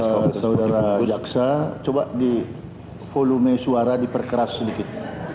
saudara saudara jaksa coba di volume suara diperkeras sedikit